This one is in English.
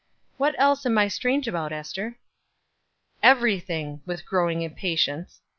What else am I strange about, Ester?" "Everything," with growing impatience.